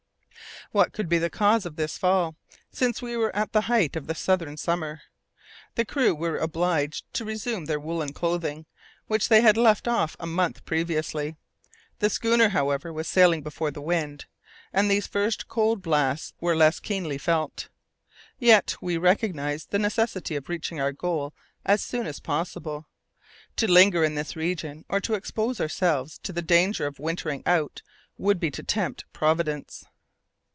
What could be the cause of this fall, since we were at the height of the southern summer? The crew were obliged to resume their woollen clothing, which they had left off a month previously. The schooner, however, was sailing before the wind, and these first cold blasts were less keenly felt. Yet we recognized the necessity of reaching our goal as soon as possible. To linger in this region or to expose ourselves to the danger of wintering out would be to tempt Providence!